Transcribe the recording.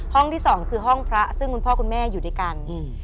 ที่สองคือห้องพระซึ่งคุณพ่อคุณแม่อยู่ด้วยกัน